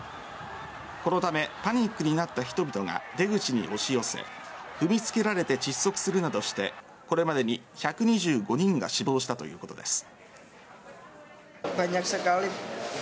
このためパニックになった人々が出口に押し寄せ踏みつけられて窒息するなどしてこれまでに１２５人が死亡したということです。